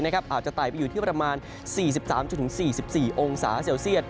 อาจจะไต่ไปอยู่ที่ประมาณ๔๓๔๔องศาเซลเซียต